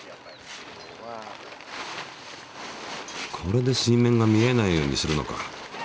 これで水面が見えないようにするのか。